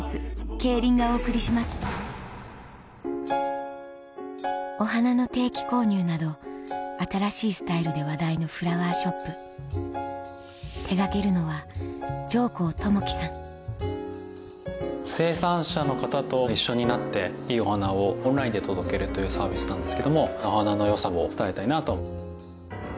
ミライに挑む冒険者がいるお花の定期購入など新しいスタイルで話題のフラワーショップ手掛けるのは生産者の方と一緒になっていいお花をオンラインで届けるというサービスなんですけどもお花の良さを伝えたいなと。